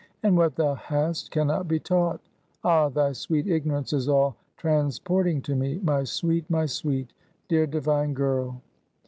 And what thou hast can not be taught. Ah, thy sweet ignorance is all transporting to me! my sweet, my sweet! dear, divine girl!"